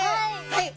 はい。